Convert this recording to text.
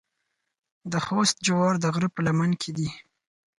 د خوست جوار د غره په لمن کې دي.